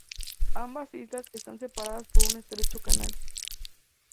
Ambas islas están separadas por un estrecho canal.